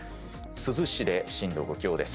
珠洲市で震度５強です。